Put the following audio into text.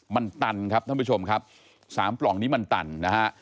มันตันครับท่านผู้ชมครับสามปล่องนี้มันตันนะฮะ